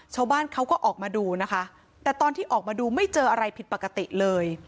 ชาวบ้านเขาก็ออกมาดูนะคะแต่ตอนที่ออกมาดูไม่เจออะไรผิดปกติเลย